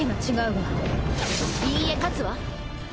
いいえ勝つわ。